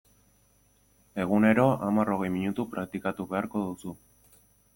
Egunero hamar-hogei minutu praktikatu beharko duzu.